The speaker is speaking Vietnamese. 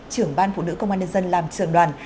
trưởng ban phụ nữ công an nhân dân làm trưởng đoàn